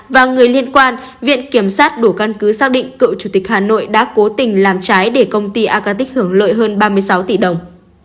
và người liên quan viện kiểm sát đủ căn cứ xác định cựu chủ tịch hà nội đã cố tình làm trái để công ty acatic hưởng lợi hơn ba mươi sáu tỷ đồng